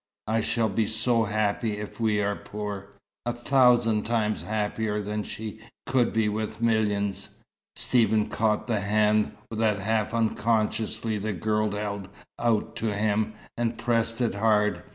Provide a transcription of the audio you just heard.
"I shall be so happy if we are poor a thousand times happier than she could be with millions." Stephen caught the hand that half unconsciously the girl held out to him, and pressed it hard.